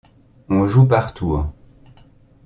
On joue par tour.